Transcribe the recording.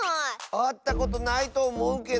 あったことないとおもうけど。